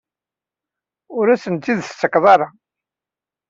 Ur asen-tt-id-tettak ara?